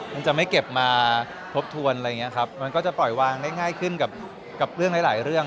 มันจะไม่เก็บมาทบทวนมันก็จะปล่อยวางได้ง่ายขึ้นกับเรื่องหลายเรื่อง